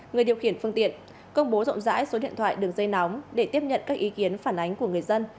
người điều khiển phương tiện công bố rộng rãi số điện thoại đường dây nóng để tiếp nhận các ý kiến phản ánh của người dân